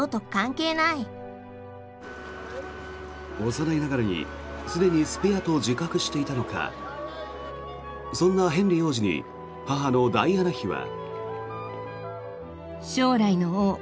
幼いながらにすでにスペアと自覚していたのかそんなヘンリー王子に母のダイアナ妃は。